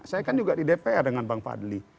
saya kan juga di dpr dengan bang fadli